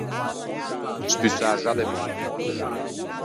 Spussâ za de mòrto.